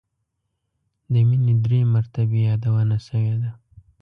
د مینې درې مرتبې یادونه شوې ده.